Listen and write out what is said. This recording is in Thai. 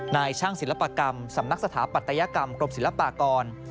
นายช่างศิลปกรรมสำนักสถาปัตยกรรมกรมศิลปากร